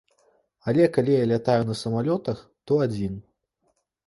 Але калі я лятаю на самалётах, то адзін.